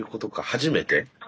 初めて？